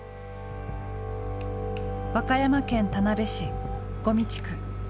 和歌山県田辺市五味地区。